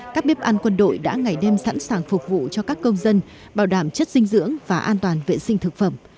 các bếp ăn quân đội đã ngày đêm sẵn sàng phục vụ cho các công dân bảo đảm chất dinh dưỡng và an toàn vệ sinh thực phẩm